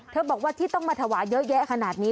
บอกว่าที่ต้องมาถวายเยอะแยะขนาดนี้